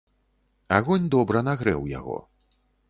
Агонь добра нагрэў яго.